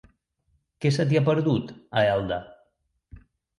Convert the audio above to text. Què se t'hi ha perdut, a Elda?